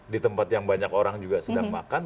di tempat yang banyak orang juga sedang makan